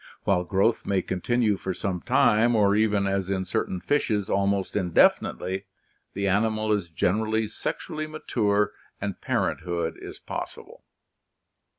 While growth may continue for some time, or even, as in certain fishes, al most indefinitely, the animal is gener ally sexually ma ture and parent hood is possible.